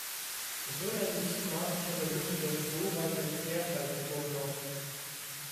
Es wurde eine systematische Untersuchung der Flora der Klärteiche vorgenommen.